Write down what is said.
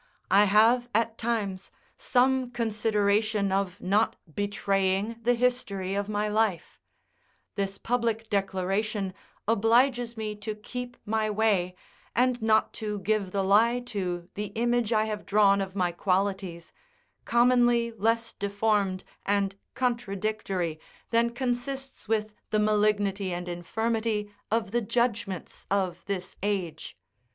I have, at times, some consideration of not betraying the history of my life: this public declaration obliges me to keep my way, and not to give the lie to the image I have drawn of my qualities, commonly less deformed and contradictory than consists with the malignity and infirmity of the judgments of this age.